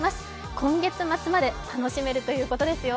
今月末まで楽しめるということですよ。